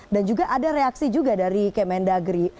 dan juga ada reaksi juga dari kmn dagri